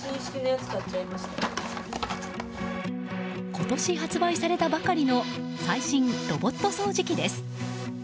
今年発売されたばかりの最新ロボット掃除機です。